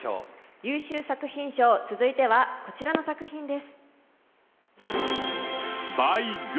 優秀作品賞、続いてはこちらの作品です。